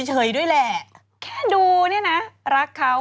คุณหมอโดนกระช่าคุณหมอโดนกระช่า